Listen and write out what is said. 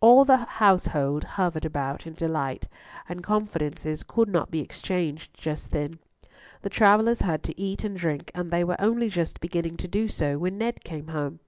All the household hovered about in delight, and confidences could not be exchanged just then: the travellers had to eat and drink, and they were only just beginning to do so when Ned came home.